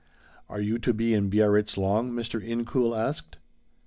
"Are you to be in Biarritz long?" Mr. Incoul asked.